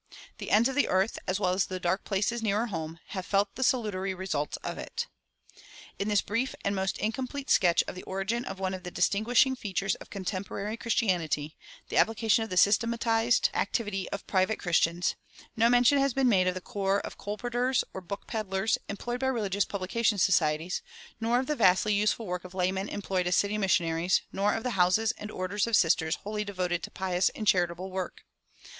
The ends of the earth, as well as the dark places nearer home, have felt the salutary results of it.[367:1] In this brief and most incomplete sketch of the origin of one of the distinguishing features of contemporary Christianity the application of the systematized activity of private Christians no mention has been made of the corps of "colporteurs," or book peddlers, employed by religious publication societies, nor of the vastly useful work of laymen employed as city missionaries, nor of the houses and orders of sisters wholly devoted to pious and charitable work.